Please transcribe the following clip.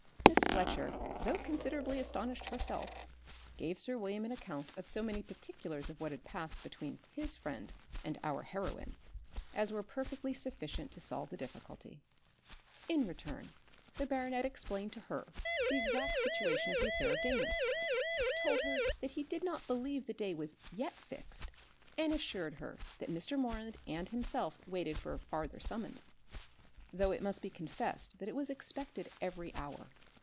Miss Fletcher, though considerably astonished herself, gave sir William an account of so many particulars of what had passed between his friend and our heroine, as were perfectly sufficient to solve the difficulty. In return the baronet explained to her the exact situation of the affair of Damon, told her that he did not believe the day was yet fixed, and assured her that Mr. Moreland and himself waited for a farther summons, though it must be confessed that it was expected every hour.